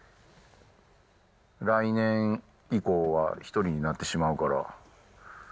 来年以降は１人になってしまうから。